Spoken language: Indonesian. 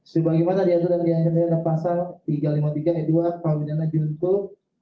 sebagaimana diatur dan dianggap di dalam pasal tiga ratus lima puluh tiga ayat dua kuhp